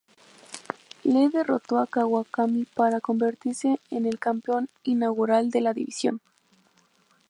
Lee derrotó a Kawakami para convertirse en el campeón inaugural de la división.